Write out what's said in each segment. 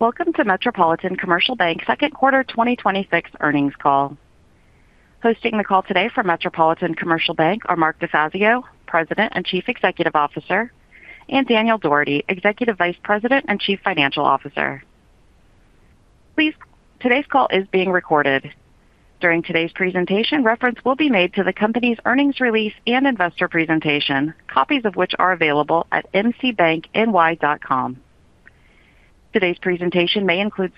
Welcome to Metropolitan Commercial Bank Second Quarter 2026 Earnings Call. Hosting the call today for Metropolitan Commercial Bank are Mark DeFazio, President and Chief Executive Officer, and Daniel Dougherty, Executive Vice President and Chief Financial Officer. Please, today's call is being recorded. During today's presentation, reference will be made to the company's earnings release and investor presentation, copies of which are available at mcbankny.com. Today's presentation may include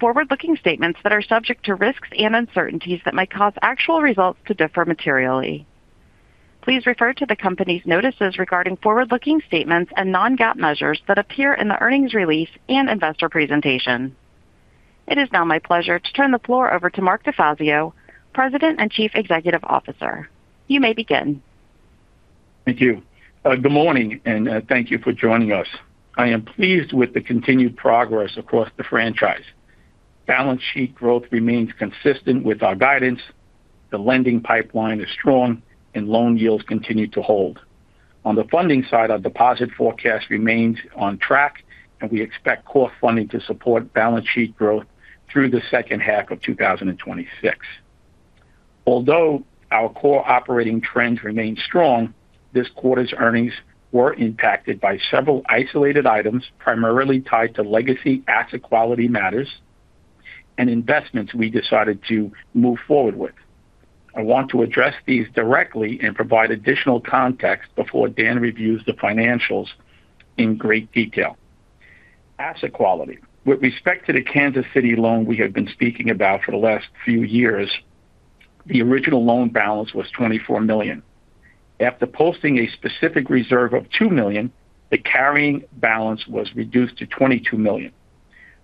forward-looking statements that are subject to risks and uncertainties that might cause actual results to differ materially. Please refer to the company's notices regarding forward-looking statements and non-GAAP measures that appear in the earnings release and investor presentation. It is now my pleasure to turn the floor over to Mark DeFazio, President and Chief Executive Officer. You may begin. Thank you. Good morning, and thank you for joining us. I am pleased with the continued progress across the franchise. Balance sheet growth remains consistent with our guidance. The lending pipeline is strong, and loan yields continue to hold. On the funding side, our deposit forecast remains on track, and we expect core funding to support balance sheet growth through the second half of 2026. Although our core operating trends remain strong, this quarter's earnings were impacted by several isolated items, primarily tied to legacy asset quality matters and investments we decided to move forward with. I want to address these directly and provide additional context before Dan reviews the financials in great detail. Asset quality. With respect to the Kansas City loan we have been speaking about for the last few years, the original loan balance was $24 million. After posting a specific reserve of $2 million, the carrying balance was reduced to $22 million.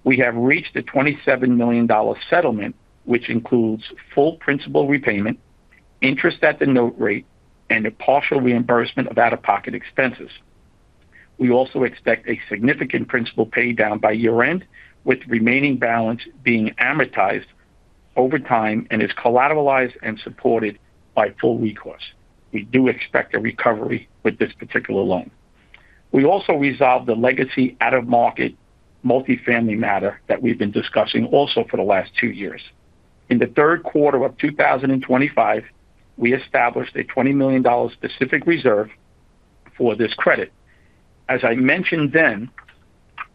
We have reached a $27 million settlement, which includes full principal repayment, interest at the note rate, and a partial reimbursement of out-of-pocket expenses. We also expect a significant principal paydown by year-end, with remaining balance being amortized over time and is collateralized and supported by full recourse. We do expect a recovery with this particular loan. We also resolved the legacy out-of-market multifamily matter that we've been discussing also for the last two years. In the third quarter of 2025, we established a $20 million specific reserve for this credit. As I mentioned then,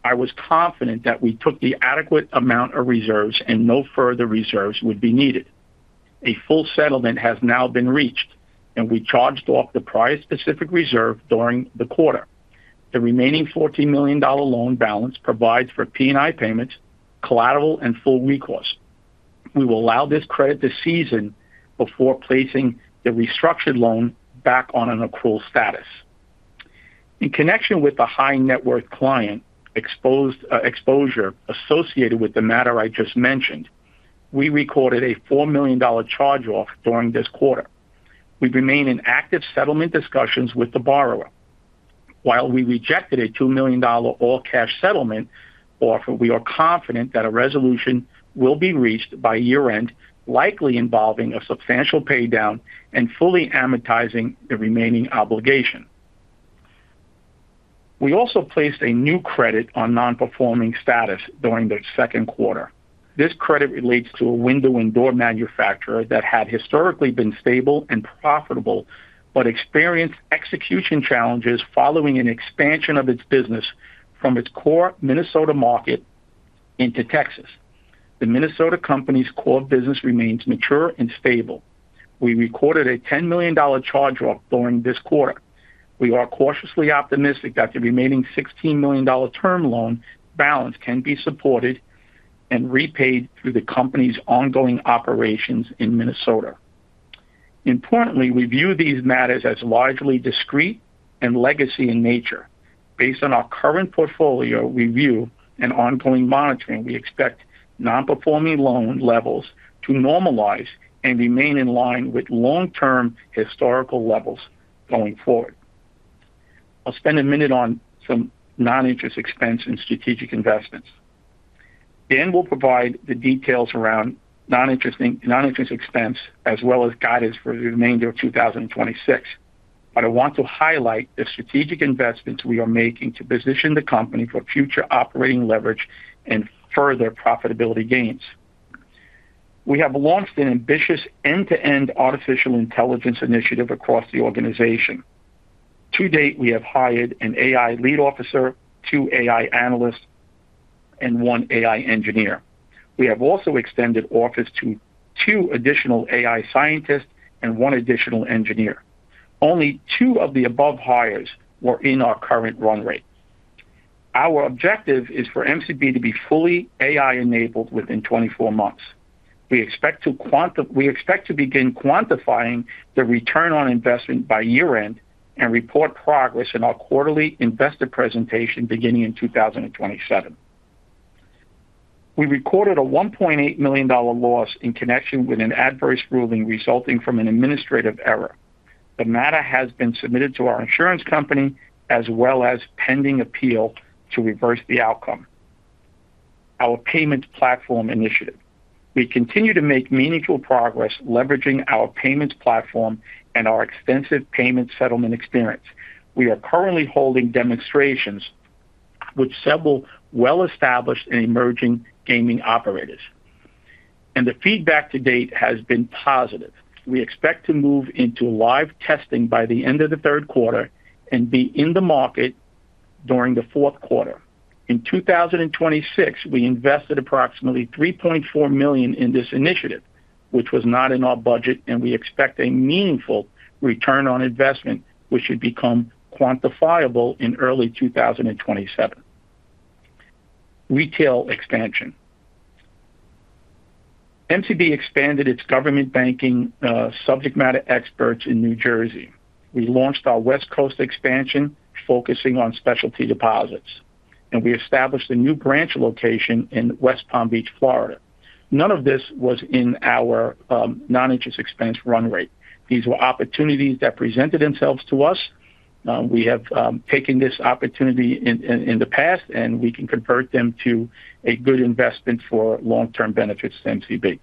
I was confident that we took the adequate amount of reserves and no further reserves would be needed. A full settlement has now been reached, and we charged off the prior specific reserve during the quarter. The remaining $14 million loan balance provides for P&I payments, collateral, and full recourse. We will allow this credit to season before placing the restructured loan back on an accrual status. In connection with the high net worth client exposure associated with the matter I just mentioned, we recorded a $4 million charge-off during this quarter. We remain in active settlement discussions with the borrower. While we rejected a $2 million all-cash settlement offer, we are confident that a resolution will be reached by year-end, likely involving a substantial paydown and fully amortizing the remaining obligation. We also placed a new credit on non-performing status during the second quarter. This credit relates to a window and door manufacturer that had historically been stable and profitable but experienced execution challenges following an expansion of its business from its core Minnesota market into Texas. The Minnesota company's core business remains mature and stable. We recorded a $10 million charge-off during this quarter. We are cautiously optimistic that the remaining $16 million term loan balance can be supported and repaid through the company's ongoing operations in Minnesota. Importantly, we view these matters as largely discrete and legacy in nature. Based on our current portfolio review and ongoing monitoring, we expect non-performing loan levels to normalize and remain in line with long-term historical levels going forward. I'll spend a minute on some non-interest expense and strategic investments. Dan will provide the details around non-interest expense as well as guidance for the remainder of 2026. I want to highlight the strategic investments we are making to position the company for future operating leverage and further profitability gains. We have launched an ambitious end-to-end artificial intelligence initiative across the organization. To date, we have hired an AI lead officer, two AI analysts, and one AI engineer. We have also extended offers to two additional AI scientists and one additional engineer. Only two of the above hires were in our current run rate. Our objective is for MCB to be fully AI-enabled within 24 months. We expect to begin quantifying the return on investment by year-end and report progress in our quarterly investor presentation beginning in 2027. We recorded a $1.8 million loss in connection with an adverse ruling resulting from an administrative error. The matter has been submitted to our insurance company as well as pending appeal to reverse the outcome. Our payment platform initiative. We continue to make meaningful progress leveraging our payments platform and our extensive payment settlement experience. We are currently holding demonstrations with several well-established and emerging gaming operators. The feedback to date has been positive. We expect to move into live testing by the end of the third quarter and be in the market during the fourth quarter. In 2026, we invested approximately $3.4 million in this initiative, which was not in our budget, and we expect a meaningful return on investment, which should become quantifiable in early 2027. Retail expansion. MCB expanded its government banking subject matter experts in New Jersey. We launched our West Coast expansion focusing on specialty deposits. We established a new branch location in West Palm Beach, Florida. None of this was in our non-interest expense run rate. These were opportunities that presented themselves to us. We have taken this opportunity in the past, and we can convert them to a good investment for long-term benefits to MCB.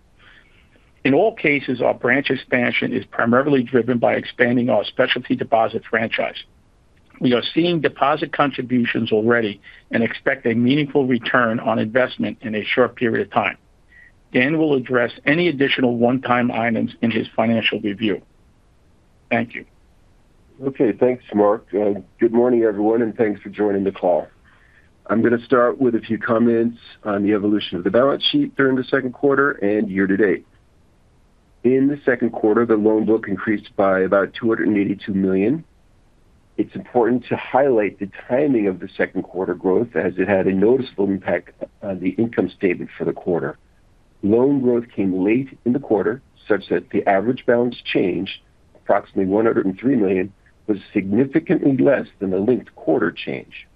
In all cases, our branch expansion is primarily driven by expanding our specialty deposit franchise. We are seeing deposit contributions already and expect a meaningful return on investment in a short period of time. Dan will address any additional one-time items in his financial review. Thank you. Okay. Thanks, Mark. Good morning, everyone, and thanks for joining the call. I'm going to start with a few comments on the evolution of the balance sheet during the second quarter and year to date. In the second quarter, the loan book increased by about $282 million. It's important to highlight the timing of the second quarter growth as it had a noticeable impact on the income statement for the quarter. Loan growth came late in the quarter, such that the average balance change, approximately $103 million, was significantly less than the linked quarter change.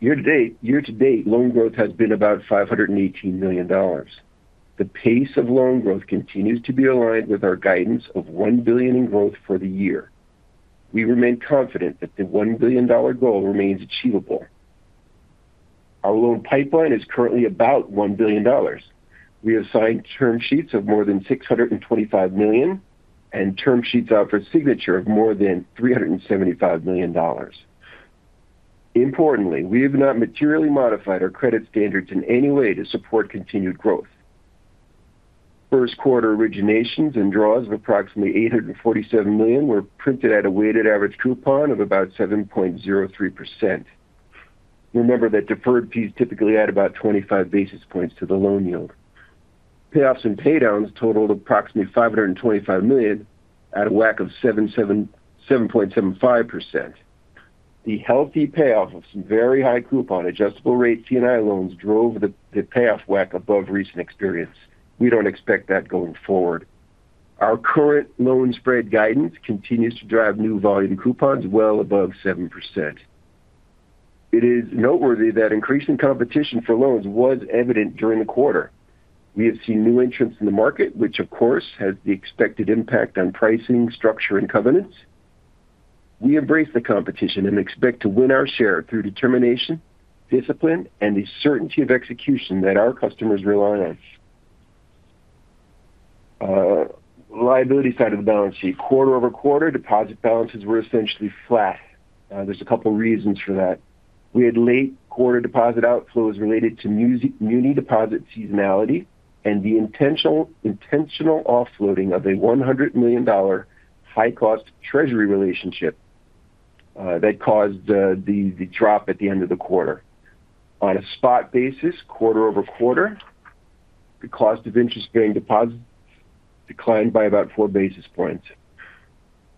Year to date, loan growth has been about $518 million. The pace of loan growth continues to be aligned with our guidance of $1 billion in growth for the year. We remain confident that the $1 billion goal remains achievable. Our loan pipeline is currently about $1 billion. We have signed term sheets of more than $625 million and term sheets out for signature of more than $375 million. Importantly, we have not materially modified our credit standards in any way to support continued growth. First quarter originations and draws of approximately $847 million were printed at a weighted average coupon of about 7.03%. Remember that deferred fees typically add about 25 basis points to the loan yield. Payoffs and paydowns totaled approximately $525 million at a WAC of 7.75%. The healthy payoff of some very high coupon adjustable-rate C&I loans drove the payoff WAC above recent experience. We don't expect that going forward. Our current loan spread guidance continues to drive new volume coupons well above 7%. It is noteworthy that increasing competition for loans was evident during the quarter. We have seen new entrants in the market, which of course has the expected impact on pricing, structure, and covenants. We embrace the competition and expect to win our share through determination, discipline, and the certainty of execution that our customers rely on. Liability side of the balance sheet. Quarter-over-quarter, deposit balances were essentially flat. There's a couple reasons for that. We had late quarter deposit outflows related to muni deposit seasonality and the intentional offloading of a $100 million high-cost treasury relationship that caused the drop at the end of the quarter. On a spot basis, quarter-over-quarter, the cost of interest-bearing deposits declined by about four basis points.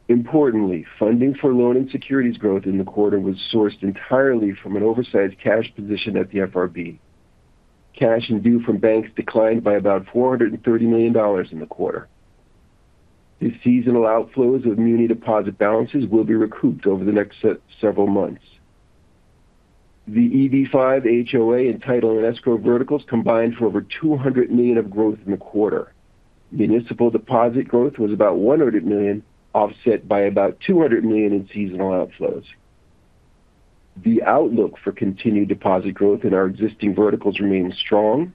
Importantly, funding for loan and securities growth in the quarter was sourced entirely from an oversized cash position at the FRB. Cash in view from banks declined by about $430 million in the quarter. The seasonal outflows of muni deposit balances will be recouped over the next several months. The EB-5, HOA, and title and escrow verticals combined for over $200 million of growth in the quarter. Municipal deposit growth was about $100 million, offset by about $200 million in seasonal outflows. The outlook for continued deposit growth in our existing verticals remains strong,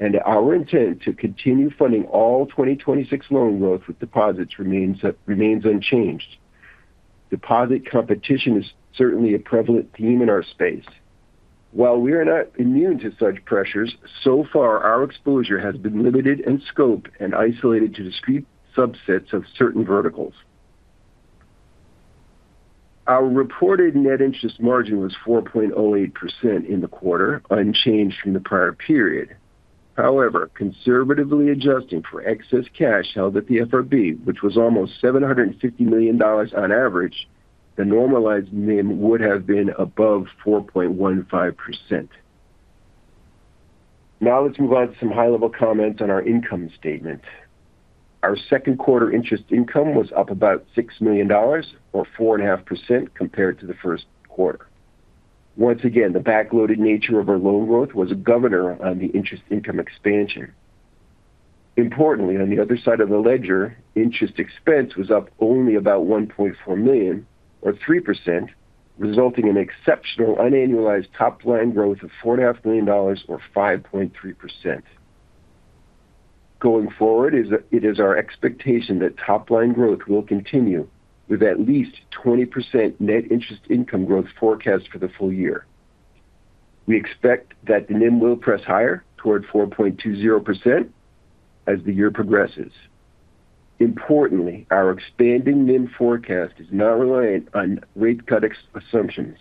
and our intent to continue funding all 2026 loan growth with deposits remains unchanged. Deposit competition is certainly a prevalent theme in our space. While we are not immune to such pressures, so far our exposure has been limited in scope and isolated to discrete subsets of certain verticals. Our reported net interest margin was 4.08% in the quarter, unchanged from the prior period. However, conservatively adjusting for excess cash held at the FRB, which was almost $750 million on average, the normalized NIM would have been above 4.15%. Let's move on to some high-level comments on our income statement. Our second quarter interest income was up about $6 million or 4.5% compared to the first quarter. Once again, the back-loaded nature of our loan growth was a governor on the interest income expansion. Importantly, on the other side of the ledger, interest expense was up only about $1.4 million or 3%, resulting in exceptional unannualized top line growth of $4.5 million or 5.3%. Going forward, it is our expectation that top-line growth will continue with at least 20% net interest income growth forecast for the full year. We expect that the NIM will press higher toward 4.20% as the year progresses. Importantly, our expanding NIM forecast is not reliant on rate cut assumptions.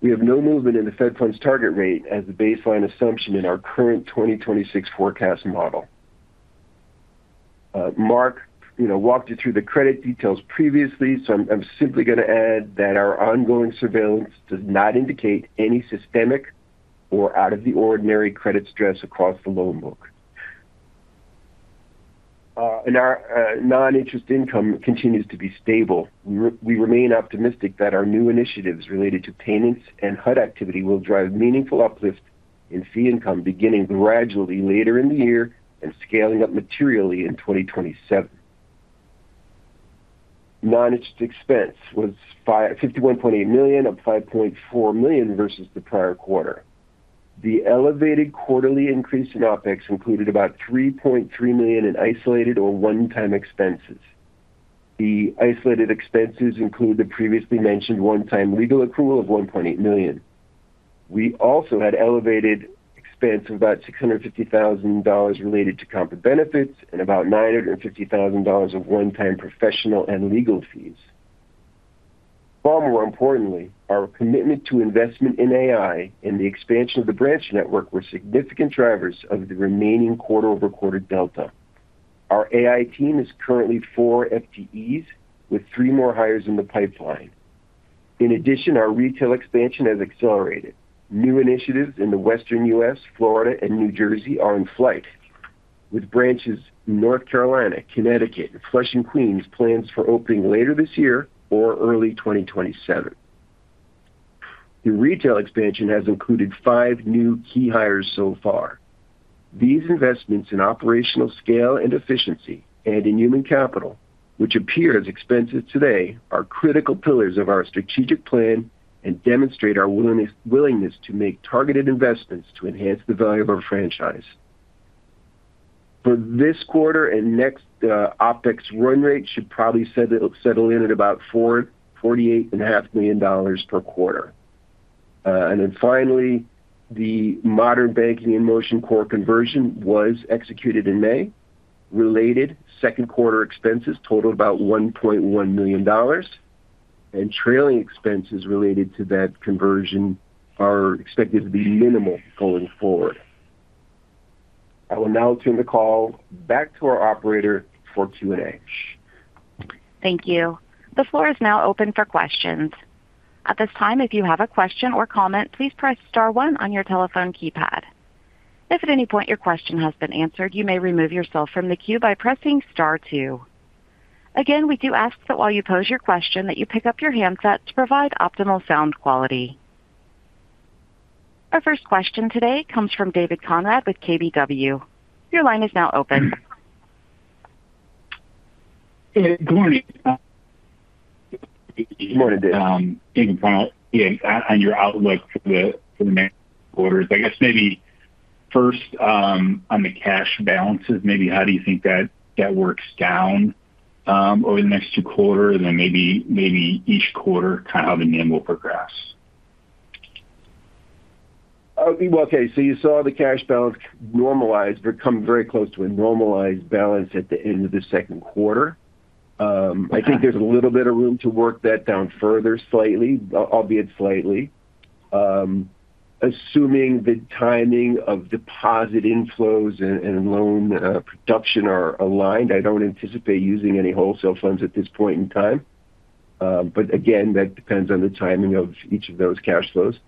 We have no movement in the Fed funds target rate as the baseline assumption in our current 2026 forecast model. Mark walked you through the credit details previously. I'm simply going to add that our ongoing surveillance does not indicate any systemic or out of the ordinary credit stress across the loan book. Our non-interest income continues to be stable. We remain optimistic that our new initiatives related to payments and HUD activity will drive meaningful uplift in fee income beginning gradually later in the year and scaling up materially in 2027. Non-interest expense was $51.8 million, up $5.4 million versus the prior quarter. The elevated quarterly increase in OpEx included about $3.3 million in isolated or one-time expenses. The isolated expenses include the previously mentioned one-time legal accrual of $1.8 million. We also had elevated expense of about $650,000 related to comp and benefits and about $950,000 of one-time professional and legal fees. Far more importantly, our commitment to investment in AI and the expansion of the branch network were significant drivers of the remaining quarter-over-quarter delta. Our AI team is currently four FTEs with three more hires in the pipeline. In addition, our retail expansion has accelerated. New initiatives in the Western U.S., Florida, and New Jersey are in flight with branches in North Carolina, Connecticut, and Flushing, Queens plans for opening later this year or early 2027. The retail expansion has included five new key hires so far. These investments in operational scale and efficiency and in human capital, which appear as expenses today, are critical pillars of our strategic plan and demonstrate our willingness to make targeted investments to enhance the value of our franchise. For this quarter and next, the OpEx run rate should probably settle in at about $48.5 million per quarter. Finally, the Modern Banking in Motion core conversion was executed in May. Related second quarter expenses totaled about $1.1 million, and trailing expenses related to that conversion are expected to be minimal going forward. I will now turn the call back to our operator for Q&A. Thank you. The floor is now open for questions. At this time, if you have a question or comment, please press star one on your telephone keypad. If at any point your question has been answered, you may remove yourself from the queue by pressing star two. Again, we do ask that while you pose your question, that you pick up your handset to provide optimal sound quality. Our first question today comes from David Konrad with KBW. Your line is now open. Good morning. Good morning, Dave. Digging final in on your outlook for the next quarters. I guess maybe first on the cash balances, maybe how do you think that works down over the next two quarters? Maybe each quarter, how the NIM will progress. Okay. You saw the cash balance normalized or come very close to a normalized balance at the end of the second quarter. I think there's a little bit of room to work that down further slightly, albeit slightly. Assuming the timing of deposit inflows and loan production are aligned, I don't anticipate using any wholesale funds at this point in time. Again, that depends on the timing of each of those cash flows.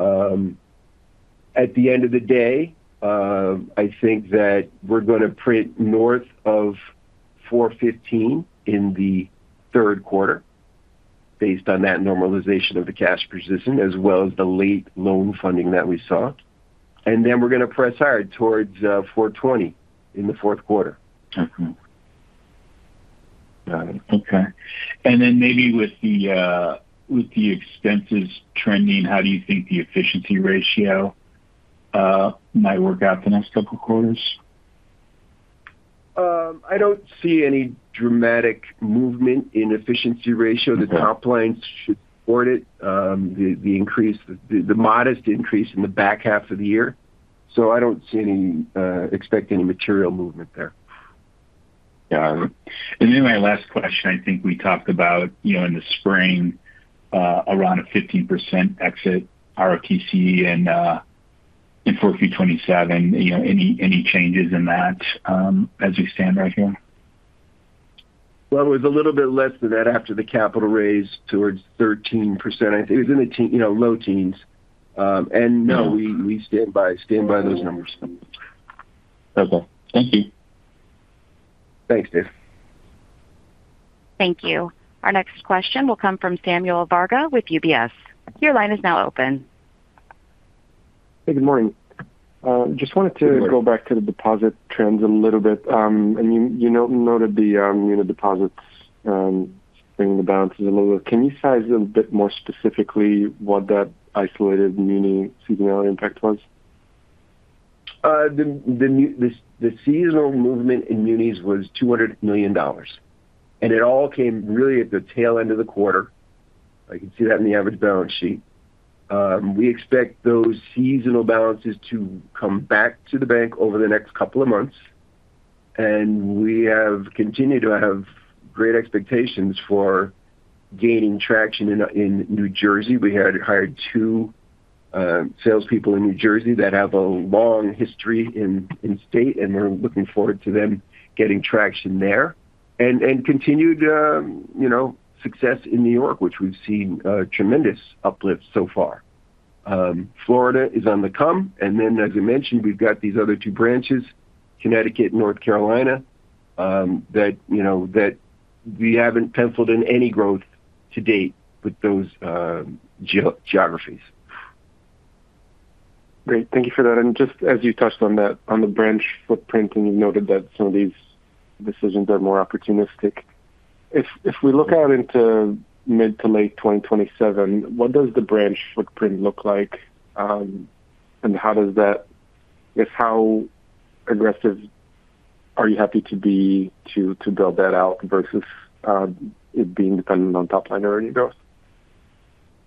At the end of the day, I think that we're going to print north of $415 in the third quarter based on that normalization of the cash position as well as the late loan funding that we saw. We're going to press hard towards $420 in the fourth quarter. Okay. Got it. Okay. Maybe with the expenses trending, how do you think the efficiency ratio might work out the next couple of quarters? I don't see any dramatic movement in efficiency ratio. Okay. The top line should support it. The modest increase in the back half of the year. I don't expect any material movement there. Got it. My last question, I think we talked about in the spring around a 15% exit ROTCE in 4Q 2027. Any changes in that as we stand right here? Well, it was a little bit less than that after the capital raise towards 13%. I think it was in the low teens. No, we stand by those numbers. Okay. Thank you. Thanks, Dave. Thank you. Our next question will come from Samuel Varga with UBS. Your line is now open. Hey, good morning. Good morning. Just wanted to go back to the deposit trends a little bit. You noted the muni deposits bringing the balances a little bit. Can you size a bit more specifically what that isolated muni seasonality impact was? The seasonal movement in munis was $200 million. It all came really at the tail end of the quarter. You can see that in the average balance sheet. We expect those seasonal balances to come back to the bank over the next couple of months. We have continued to have great expectations for gaining traction in New Jersey. We had hired two salespeople in New Jersey that have a long history in state, and we're looking forward to them getting traction there. Continued success in New York, which we've seen tremendous uplift so far. Florida is on the come. As you mentioned, we've got these other two branches, Connecticut and North Carolina that we haven't penciled in any growth to date with those geographies. Great. Thank you for that. Just as you touched on the branch footprint, and you noted that some of these decisions are more opportunistic. If we look out into mid to late 2027, what does the branch footprint look like? How aggressive are you happy to be to build that out versus it being dependent on top line revenue growth?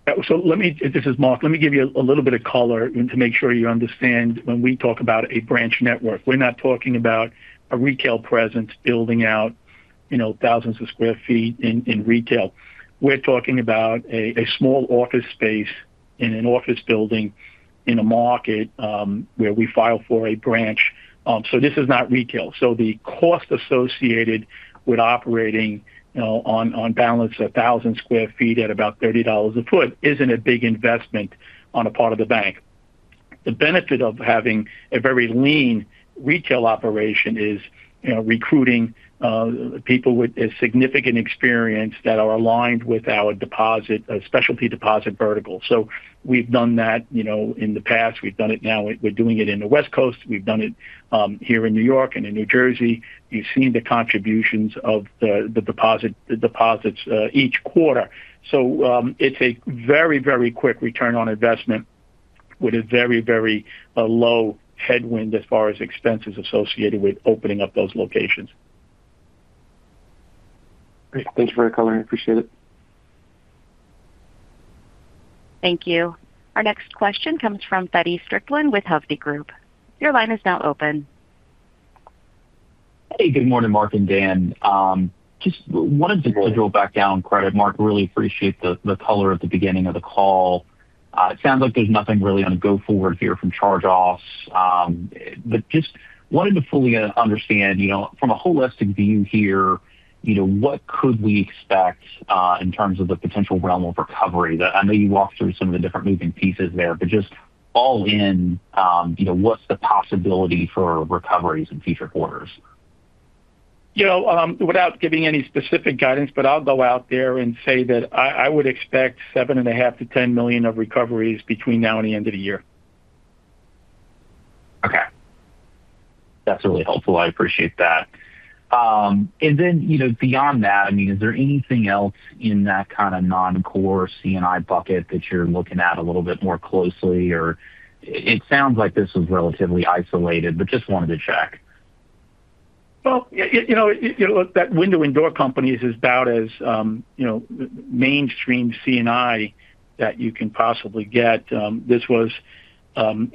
Let me, this is Mark. Let me give you a little bit of color to make sure you understand when we talk about a branch network. We're not talking about a retail presence building out thousands of square feet in retail. We're talking about a small office space in an office building in a market where we file for a branch. This is not retail. The cost associated with operating on balance 1,000 sq ft at about $30 a foot isn't a big investment on the part of the bank. The benefit of having a very lean retail operation is recruiting people with a significant experience that are aligned with our specialty deposit vertical. We've done that in the past. We've done it now. We're doing it in the West Coast. We've done it here in New York and in New Jersey. You've seen the contributions of the deposits each quarter. It's a very, very quick return on investment with a very, very low headwind as far as expenses associated with opening up those locations. Great. Thank you for the color. I appreciate it. Thank you. Our next question comes from Feddie Strickland with Hovde Group. Your line is now open. Hey, good morning, Mark and Dan. Hey drill back down credit. Mark, really appreciate the color at the beginning of the call. It sounds like there's nothing really on go forward here from charge-offs. Just wanted to fully understand from a holistic view here, what could we expect in terms of the potential realm of recovery? I know you walked through some of the different moving pieces there, but just all in, what's the possibility for recoveries in future quarters? Without giving any specific guidance, but I'll go out there and say that I would expect $7.5 million to $10 million of recoveries between now and the end of the year. Okay. That's really helpful. I appreciate that. Beyond that, is there anything else in that kind of non-core C&I bucket that you're looking at a little bit more closely or it sounds like this was relatively isolated, but just wanted to check. Well, that window and door company is about as mainstream C&I that you can possibly get. This was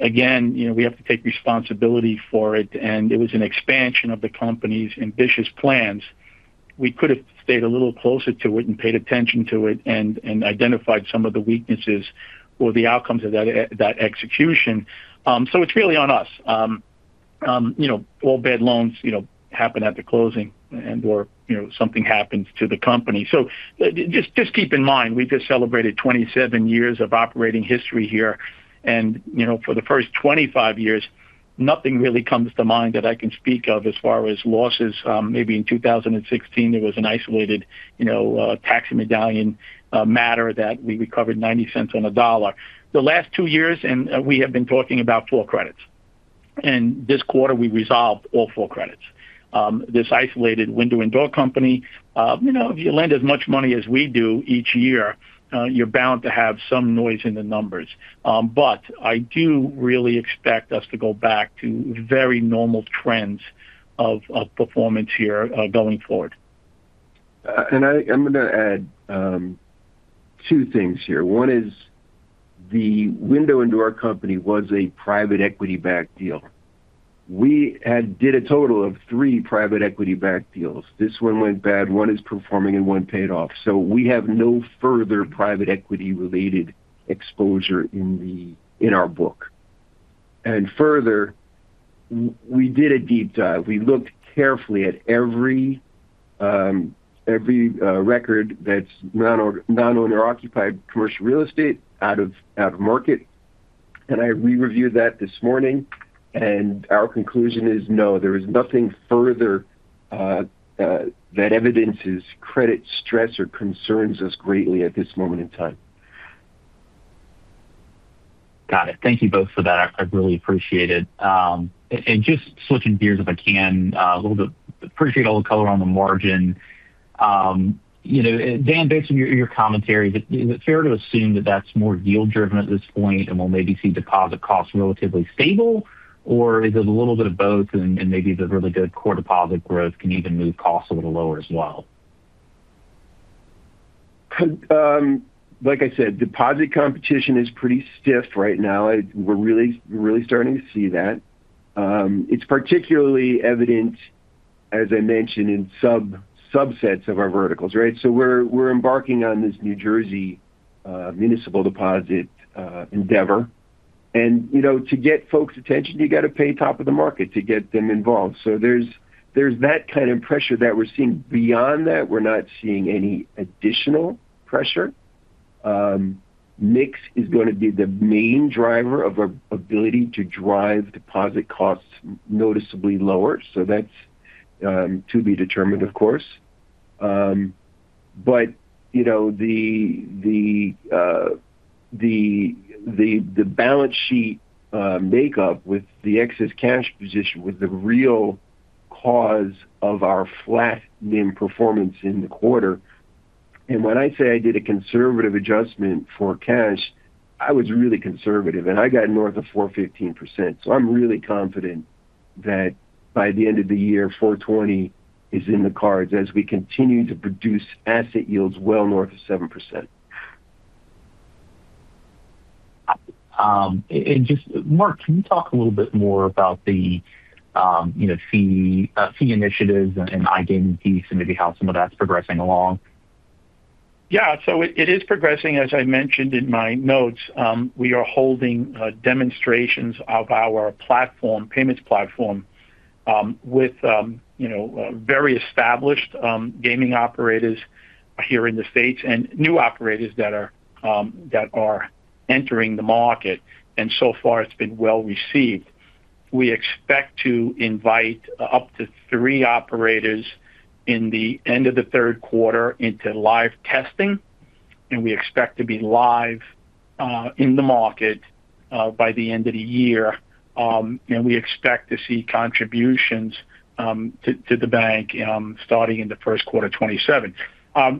again we have to take responsibility for it and it was an expansion of the company's ambitious plans. We could have stayed a little closer to it and paid attention to it and identified some of the weaknesses or the outcomes of that execution. It's really on us. All bad loans happen at the closing and or something happens to the company. Just keep in mind, we just celebrated 27 years of operating history here. For the first 25 years, nothing really comes to mind that I can speak of as far as losses. Maybe in 2016, there was an isolated taxi medallion matter that we recovered $0.90 on a dollar. The last two years, we have been talking about four credits. This quarter we resolved all four credits. This isolated window and door company. If you lend as much money as we do each year, you're bound to have some noise in the numbers. I do really expect us to go back to very normal trends of performance here going forward. I'm going to add two things here. One is the window and door company was a private equity-backed deal. We did a total of three private equity-backed deals. This one went bad, one is performing, and one paid off. We have no further private equity related exposure in our book. Further, we did a deep dive. We looked carefully at every record that's non-owner occupied commercial real estate out of market. I re-reviewed that this morning, and our conclusion is no, there is nothing further that evidences credit stress or concerns us greatly at this moment in time. Got it. Thank you both for that. I really appreciate it. Just switching gears if I can, appreciate all the color on the margin. Dan, based on your commentary, is it fair to assume that that's more yield-driven at this point and we'll maybe see deposit costs relatively stable? Is it a little bit of both and maybe the really good core deposit growth can even move costs a little lower as well? Like I said, deposit competition is pretty stiff right now. We're really starting to see that. It's particularly evident, as I mentioned, in subsets of our verticals, right? We're embarking on this New Jersey municipal deposit endeavor. To get folks' attention, you got to pay top of the market to get them involved. There's that kind of pressure that we're seeing. Beyond that, we're not seeing any additional pressure. Mix is going to be the main driver of our ability to drive deposit costs noticeably lower. That's to be determined, of course. The balance sheet makeup with the excess cash position was the real cause of our flat NIM performance in the quarter. When I say I did a conservative adjustment for cash, I was really conservative, and I got north of 415%. I'm really confident that by the end of the year, 420 is in the cards as we continue to produce asset yields well north of 7%. Just, Mark, can you talk a little bit more about the fee initiatives and iGaming piece and maybe how some of that's progressing along? Yeah. It is progressing. As I mentioned in my notes, we are holding demonstrations of our payments platform with very established gaming operators here in the U.S. and new operators that are entering the market. So far it's been well-received. We expect to invite up to three operators in the end of the third quarter into live testing, and we expect to be live in the market by the end of the year. We expect to see contributions to the bank starting in the first quarter 2027.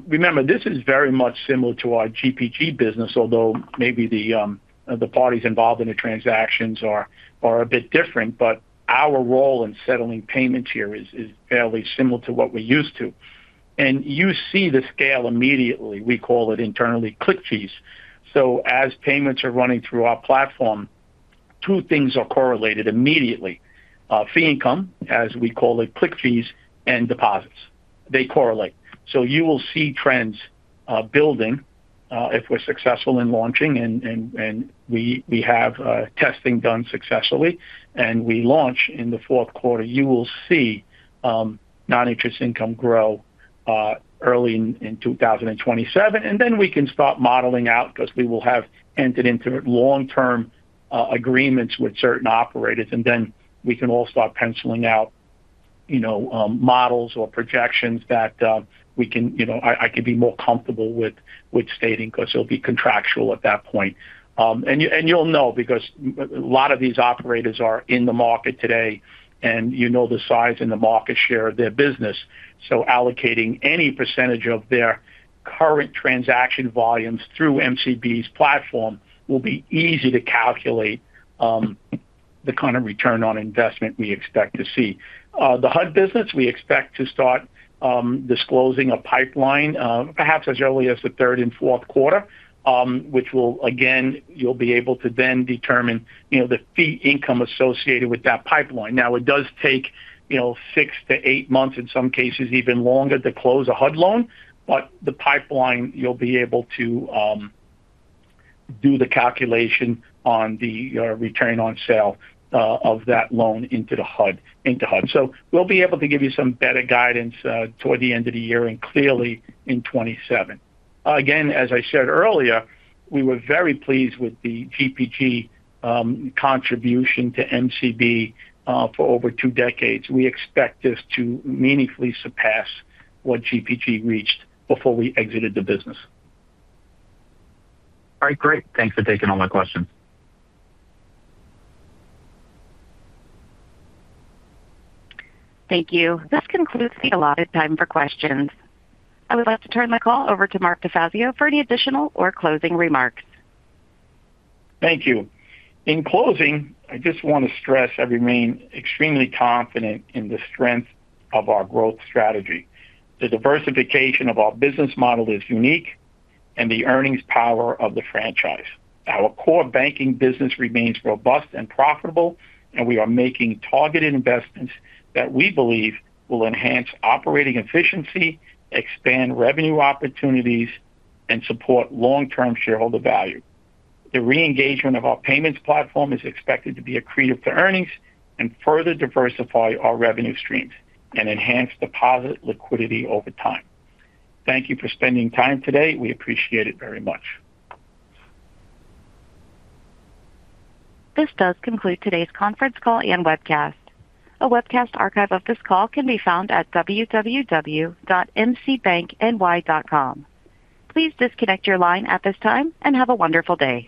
Remember, this is very much similar to our GPG business, although maybe the parties involved in the transactions are a bit different. Our role in settling payments here is fairly similar to what we're used to. You see the scale immediately. We call it internally click fees. As payments are running through our platform, two things are correlated immediately. Fee income, as we call it, click fees, and deposits. They correlate. You will see trends building if we're successful in launching and we have testing done successfully and we launch in the fourth quarter. You will see non-interest income grow early in 2027. Then we can start modeling out because we will have entered into long-term agreements with certain operators. Then we can all start penciling out models or projections that I can be more comfortable with stating because it'll be contractual at that point. You'll know because a lot of these operators are in the market today, and you know the size and the market share of their business. Allocating any percentage of their current transaction volumes through MCB's platform will be easy to calculate the kind of return on investment we expect to see. The HUD business, we expect to start disclosing a pipeline perhaps as early as the third and fourth quarter which will, again, you'll be able to then determine the fee income associated with that pipeline. It does take six to eight months, in some cases even longer, to close a HUD loan. The pipeline you'll be able to do the calculation on the return on sale of that loan into HUD. We'll be able to give you some better guidance toward the end of the year and clearly in 2027. As I said earlier, we were very pleased with the GPG contribution to MCB for over two decades. We expect this to meaningfully surpass what GPG reached before we exited the business. All right, great. Thanks for taking all my questions. Thank you. This concludes the allocated time for questions. I would like to turn the call over to Mark DeFazio for any additional or closing remarks. Thank you. In closing, I just want to stress I remain extremely confident in the strength of our growth strategy. The diversification of our business model is unique and the earnings power of the franchise. Our core banking business remains robust and profitable, and we are making targeted investments that we believe will enhance operating efficiency, expand revenue opportunities, and support long-term shareholder value. The re-engagement of our payments platform is expected to be accretive to earnings and further diversify our revenue streams and enhance deposit liquidity over time. Thank you for spending time today. We appreciate it very much. This does conclude today's conference call and webcast. A webcast archive of this call can be found at www.mcbankny.com. Please disconnect your line at this time and have a wonderful day.